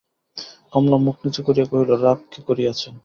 কমলা মুখ নিচু করিয়া কহিল, রাগ কে করিয়াছে?